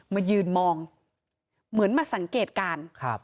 มายืนมองเหมือนมาสังเกตการณ์